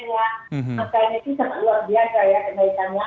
angkanya itu sangat luar biasa ya kenaikannya